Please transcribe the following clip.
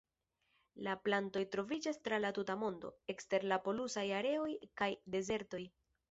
La plantoj troviĝas tra la tuta mondo, ekster la polusaj areoj kaj dezertoj.